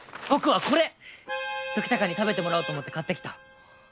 僕はこれ！ときたかに食べてもらおうと思って買ってきた。